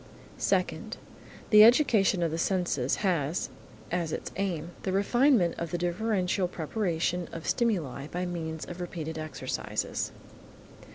Second. The education of the senses has, as its aim, the refinement of the differential perception of stimuli by means of repeated exercises.